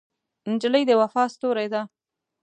نجلۍ د وفا ستورې ده.